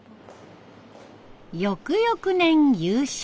翌々年優勝。